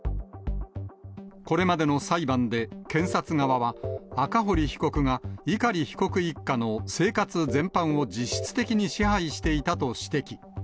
これまでの裁判で検察側は、赤堀被告が碇被告一家の生活全般を実質的に支配していたと指摘。